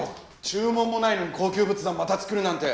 注文もないのに高級仏壇また作るなんて。